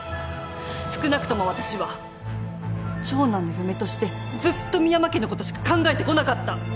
少なくとも私は長男の嫁としてずっと深山家のことしか考えてこなかった。